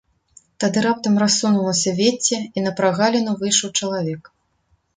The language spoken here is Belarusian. Тады раптам рассунулася вецце і на прагаліну выйшаў чалавек.